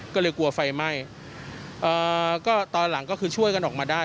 ก็เลยกลัวไฟไหม้เอ่อก็ตอนหลังก็คือช่วยกันออกมาได้